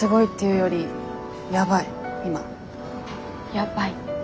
やばい？